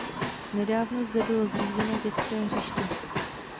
Nedávno zde bylo zřízeno dětské hřiště.